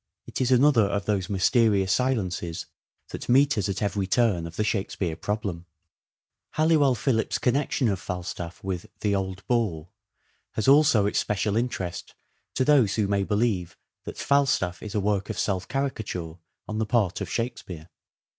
It is another of those mysterious silences that meet us at every turn of the Shakespeare problem. Oxford's Halliwell Phillipps 's connection of Falstaff with Crest the „ the old boar „ has alsQ its special interest to those who may believe that Falstaff is a work of self caricature on the part of " Shakespeare."